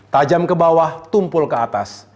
tajam ke bawah tumpul ke atas